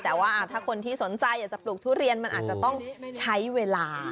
แต่ว่าถ้าคนที่สนใจอยากจะปลูกทุเรียนมันอาจจะต้องใช้เวลา